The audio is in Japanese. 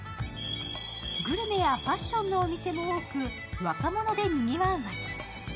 グルメやファッションのお店も多く若者でにぎわう街。